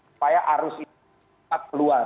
supaya arus ini cepat keluar